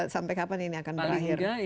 sampai kapan ini akan berakhir